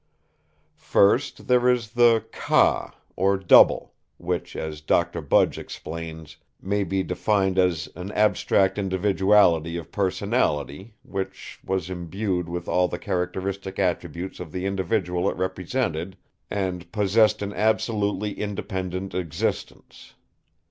"First there is the 'Ka', or 'Double', which, as Doctor Budge explains, may be defined as 'an abstract individuality of personality' which was imbued with all the characteristic attributes of the individual it represented, and possessed an absolutely independent existence.